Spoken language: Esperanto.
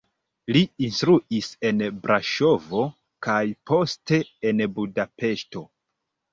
Li instruis en Braŝovo kaj poste en Budapeŝto.